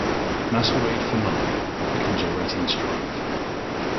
"Masquerade for Money" becomes a ratings triumph.